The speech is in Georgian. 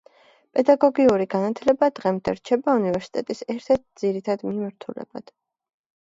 პედაგოგიური განათლება დღემდე რჩება უნივერსიტეტის ერთ-ერთ ძირითად მიმართულებად.